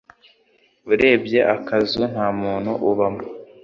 Urebye akazu, ntamuntu ubamo